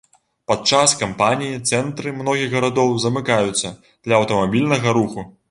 Падчас кампаніі цэнтры многіх гарадоў замыкаюцца для аўтамабільнага руху.